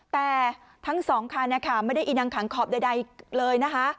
แต่ทั้งสองค่ะนะคะไม่ได้อีกน้ำขังขอบใดใดเลยนะคะ